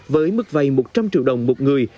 với mức vay một trăm linh triệu đồng một người